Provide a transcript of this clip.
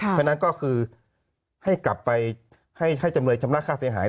เพราะฉะนั้นก็คือให้กลับไปให้จำเลยชำระค่าเสียหาย